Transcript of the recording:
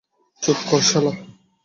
চুপ কর শালা!